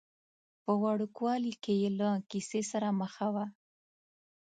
په وړوکوالي کې یې له کیسې سره مخه وه.